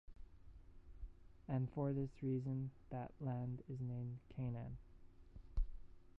And for this reason that land is named Canaan.